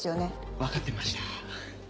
分かってました。